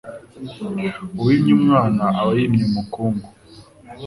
Uwimye umwana aba yimye umukungu